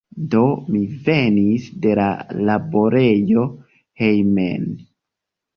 Do mi venis de la laborejo hejmen.